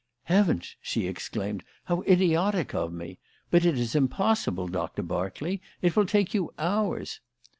"Heavens!" she exclaimed. "How idiotic of me! But it is impossible, Doctor Berkeley! It will take you hours!"